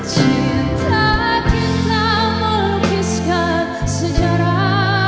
cinta kita melukiskan sejarah